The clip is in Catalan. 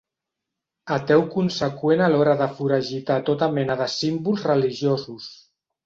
Ateu conseqüent a l'hora de foragitar tota mena de símbols religiosos.